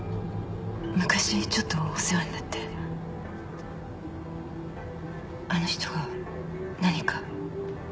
昔ちょっとお世話になってあの人が何か？